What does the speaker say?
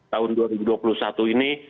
tahun dua ribu dua puluh satu ini